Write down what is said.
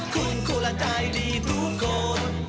คุณคนละใจดีทุกคน